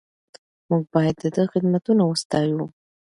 موږ باید د ده خدمتونه وستایو.